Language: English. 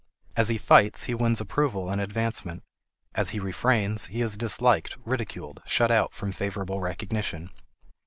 As he fights he wins approval and advancement; as he refrains, he is disliked, ridiculed, shut out from favorable recognition.